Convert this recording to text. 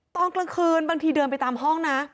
ตอนกลางคืนบางทีเดินไปตามห้องนะ